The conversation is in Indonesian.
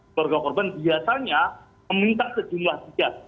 keluarga korban biasanya meminta sejumlah tiket